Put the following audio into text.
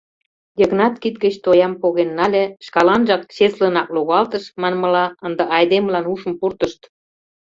— Йыгнат кид гыч тоям поген нале, шкаланжак чеслынак логалтыш, манмыла, ынде айдемылан ушым пуртышт.